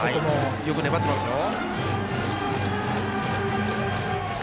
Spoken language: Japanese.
よく粘っていますよ。